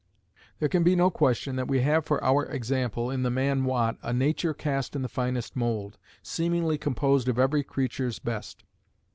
There can be no question that we have for our example, in the man Watt, a nature cast in the finest mold, seemingly composed of every creature's best.